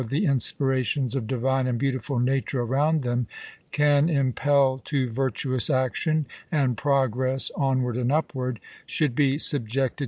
the inspirations of divine and beautiful nature around them can impel to virtuous action and progi ess on^Yard and upward, should be subjected